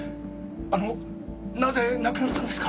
あのなぜ亡くなったんですか？